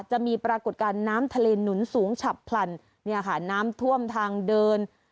จะมีปรากฏการณ์น้ำทะเลหนุนสูงฉับผลันน้ำท่วมทางเดิน